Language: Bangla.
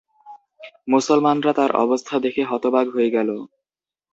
মুসলমানরা তার অবস্থা দেখে হতবাক হয়ে গেল।